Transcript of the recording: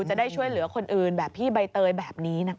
จะได้ช่วยเหลือคนอื่นแบบพี่ใบเตยแบบนี้นะคะ